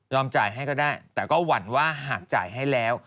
จ่ายให้ก็ได้แต่ก็หวั่นว่าหากจ่ายให้แล้ว